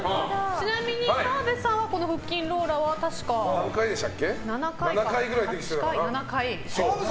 ちなみに澤部さんは腹筋ローラーは確か７回。